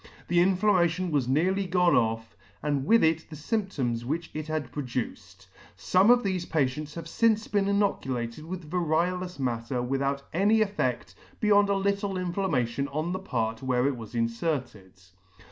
The inflammation was nearly gone off, and with it the fy mptoms which it had produced. Some of thefe patients have fince been inoculated with vario lous matter without any effed beyond a little inflammation on the part where it was inferted.